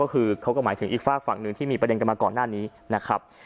เค้าก็หมายถึงที่อีกฝากหนึ่งที่มีประเด็นกันมาก่อนหน้านี้นะครับ